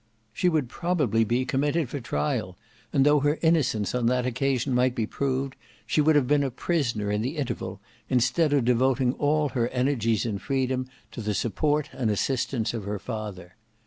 She would probably be committed for trial; and though her innocence on that occasion might be proved, she would have been a prisoner in the interval, instead of devoting all her energies in freedom to the support and assistance of her father.